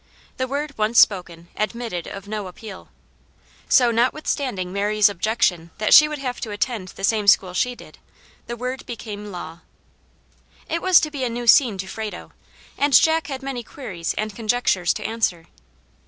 The word once spoken admitted of no appeal; so, notwithstanding Mary's objection that she would have to attend the same school she did, the word became law. It was to be a new scene to Frado, and Jack had many queries and conjectures to answer.